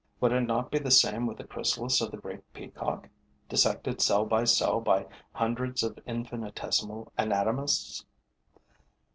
Would it not be the same with the chrysalis of the great peacock, dissected cell by cell by hundreds of infinitesimal anatomists?